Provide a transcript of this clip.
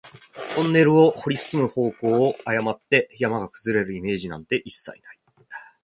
トンネルを掘り進む方向を誤って、山が崩れるイメージなんて一切ない